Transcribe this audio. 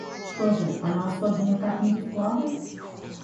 Что же, она особенно как-нибудь плавает?